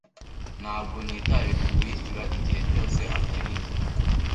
Ntabwo nitaye ku wishyura, igihe cyose atari njye.